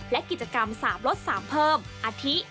และกิจกรรมสาบรถสามเพิ่มอาทิ